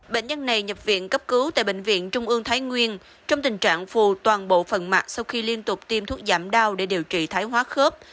bệnh nhân này nhập viện cấp cứu tại bệnh viện trung ương thái nguyên trong tình trạng phù toàn bộ phần mạng sau khi liên tục tiêm thuốc giảm đau để điều trị thái hóa khớp